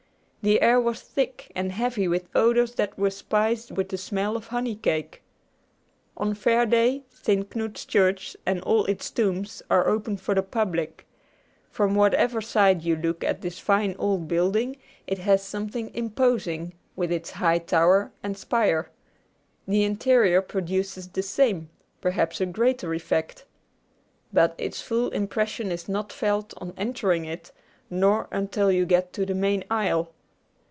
The air was thick and heavy with odors that were spiced with the smell of honey cake. On Fair day, St. Knud's Church and all its tombs are open to the public. From whatever side you look at this fine old building it has something imposing, with its high tower and spire. The interior produces the same, perhaps a greater, effect. But its full impression is not felt on entering it, nor until you get to the main aisle.